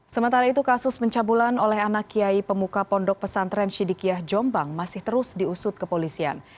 sementara itu kasus pencabulan oleh anak kiai pemuka pondok pesantren syidikiah jombang masih terus diusut kepolisian